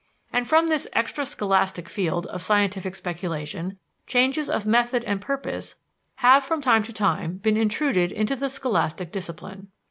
And from this extra scholastic field of scientific speculation, changes of method and purpose have from time to time been intruded into the scholastic discipline.